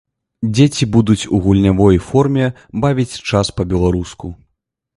Дзеці будуць у гульнявой форме бавіць час па-беларуску.